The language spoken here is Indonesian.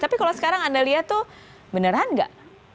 tapi kalau sekarang anda lihat tuh beneran gak